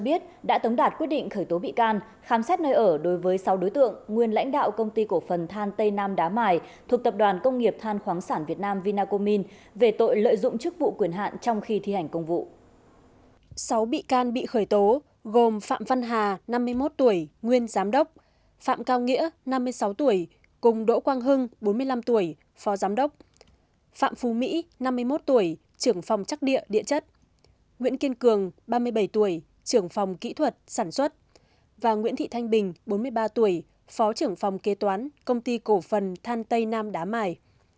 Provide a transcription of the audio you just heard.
sáu bị can bị khởi tố gồm phạm văn hà năm mươi một tuổi nguyên giám đốc phạm cao nghĩa năm mươi sáu tuổi cùng đỗ quang hưng bốn mươi năm tuổi phó giám đốc phạm phu mỹ năm mươi một tuổi trưởng phòng chắc địa địa chất nguyễn kiên cường ba mươi bảy tuổi trưởng phòng kỹ thuật sản xuất và nguyễn thị thanh bình bốn mươi ba tuổi phó trưởng phòng kế toán công ty cổ phần than tây nam đá mài